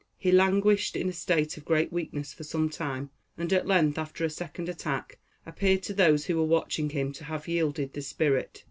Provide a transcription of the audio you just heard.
He languished in a state of great weakness for some time, and at length, after a second attack, appeared to those who were watching him to have yielded the spirit.